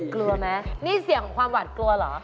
กลัวไหมนี่เสียงความหวัดกลัวเหรอ